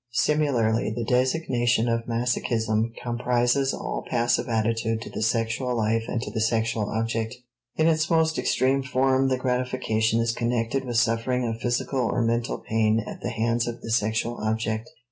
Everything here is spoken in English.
Similarly, the designation of masochism comprises all passive attitude to the sexual life and to the sexual object; in its most extreme form the gratification is connected with suffering of physical or mental pain at the hands of the sexual object.